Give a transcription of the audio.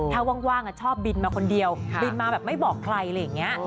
ถ้าว่างชอบบินมาคนเดียวบินมาแบบไม่บอกใครอะไรอย่างนี้